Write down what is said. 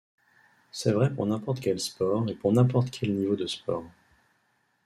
C'est vrai pour n'importe quel sport et pour n'importe quel niveau de sport.